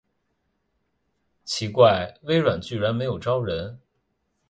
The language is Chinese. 奇怪，微软居然没有招人